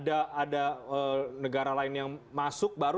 ada negara lain yang masuk baru